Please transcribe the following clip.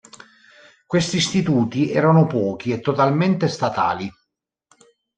Questi istituti erano pochi e totalmente statali.